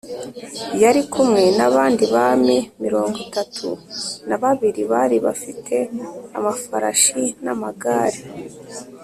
Yari kumwe n’abandi bami mirongo itatu na babiri bari bafite amafarashi n’amagare